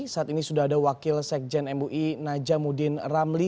saat ini sudah ada wakil sekjen mui najamuddin ramli